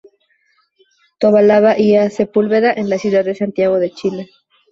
Tobalaba y A. Sepúlveda en la ciudad de Santiago de Chile.